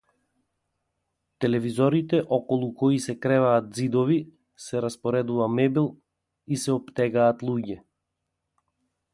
Телевизорите околу кои се креваат ѕидови, се распоредува мебел и се оптегаат луѓе.